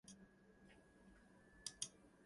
Its first director was Margaret C. Snyder, Ph.D.